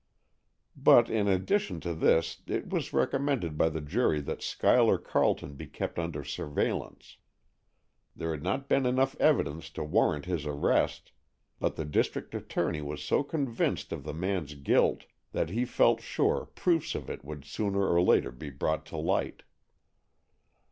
But in addition to this it was recommended by the jury that Schuyler Carleton be kept under surveillance. There had not been enough evidence to warrant his arrest, but the district attorney was so convinced of the man's guilt that he felt sure proofs of it would sooner or later be brought to light.